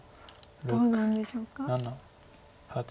どうなんでしょうか。